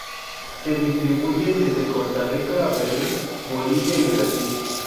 Se distribuyen desde Costa Rica a Perú, Bolivia y Brasil.